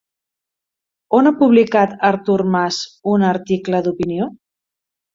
On ha publicat Artur Mas un article d'opinió?